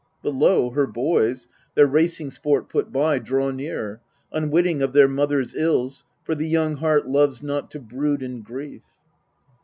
But lo, her boys, their racing sport put by, Draw near, unwitting of their mother's ills, For the young heart loves not to brood in grief.